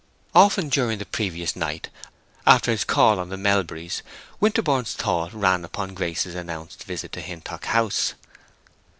Often during the previous night, after his call on the Melburys, Winterborne's thoughts ran upon Grace's announced visit to Hintock House.